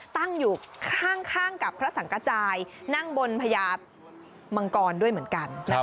ตั้งอยู่ข้างกับพระสังกระจายนั่งบนพญามังกรด้วยเหมือนกัน